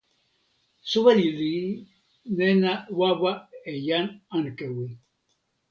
soweli li nena wawa e jan Ankewi.